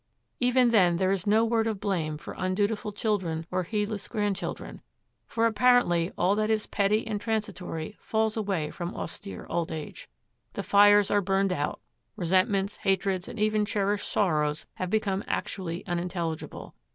Even then there is no word of blame for undutiful children or heedless grandchildren, for apparently all that is petty and transitory falls away from austere old age; the fires are burned out, resentments, hatreds, and even cherished sorrows have become actually unintelligible.